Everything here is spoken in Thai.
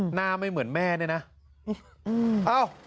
หน้าไม่เหมือนแม่เนี่ยนะ